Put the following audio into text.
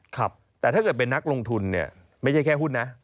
แต่ถ้าเกิดเป็นนักลงทุนเนี่ยไม่ใช่แค่หุ้นนะ